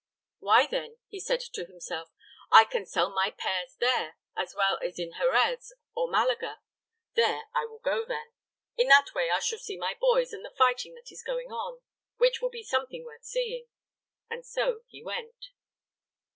"Why, then," he said to himself, "I can sell my pears there as well as in Jerez or Malaga; there I will go, then; in that way I shall see my boys and the fighting that is going on, which will be something worth seeing." And so he went.